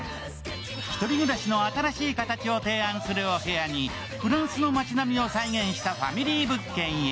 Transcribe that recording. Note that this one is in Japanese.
ひとり暮らしの新しい形を提案するお部屋にフランスの街並みを再現したファミリー物件へ。